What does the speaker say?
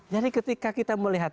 jadi ketika kita melihat